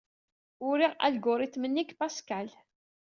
Uriɣ alguritm-nni deg Pascal.